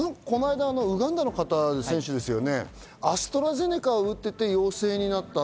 この間のウガンダの方、アストラゼネカ製を打っていて陽性になった。